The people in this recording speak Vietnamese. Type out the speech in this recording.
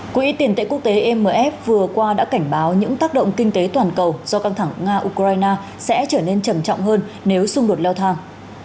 quỹ tiền tệ quốc tế mf vừa qua đã cảnh báo những tác động kinh tế toàn cầu do căng thẳng nga ukraine sẽ trở nên trầm trọng hơn nếu xung đột leo thang